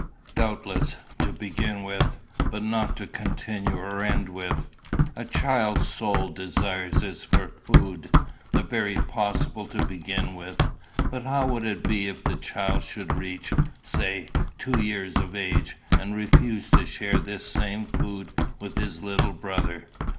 "Doubtless, to begin with, but not to continue or end with. A child's sole desire is for food the very best possible to begin with. But how would it be if the child should reach, say, two years of age, and refuse to share this same food with his little brother?